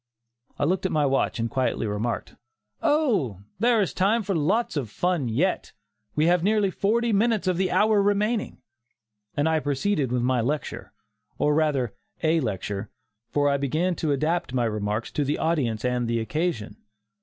I looked at my watch and quietly remarked, "Oh! there is time for lots of fun yet; we have nearly forty minutes of the hour remaining," and I proceeded with my lecture, or rather a lecture, for I began to adapt my remarks to the audience and the occasion.